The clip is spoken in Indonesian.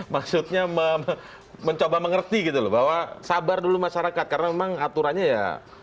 maksudnya mencoba mengerti gitu loh bahwa sabar dulu masyarakat karena memang aturannya ya